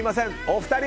お二人！